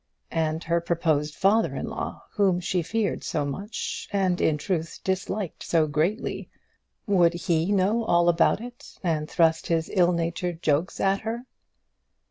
And her proposed father in law, whom she feared so much, and in truth disliked so greatly would he know all about it, and thrust his ill natured jokes at her?